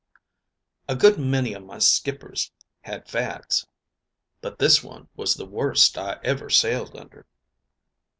A good many o' my skippers had fads, but this one was the worst I ever sailed under.